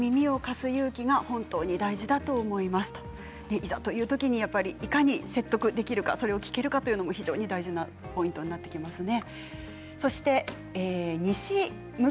いざというときにいかに説得できるか、それを聞けるかも非常に大事なポイントになってきますね。